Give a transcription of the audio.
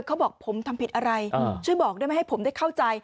เขาบอกผมทำผิดอะไรช่วยบอกได้ไหมให้ผมได้เข้าใจ